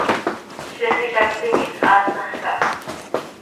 Ziix icacötim quih shaasax caha.